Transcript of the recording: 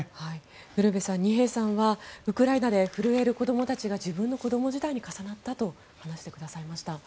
ウルヴェさん二瓶さんはウクライナで震える子どもたちが自分の子ども時代に重なったと話してくださいました。